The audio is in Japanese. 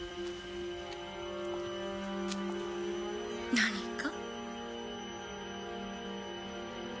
何か？